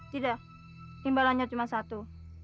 tidak imbalannya cuma satu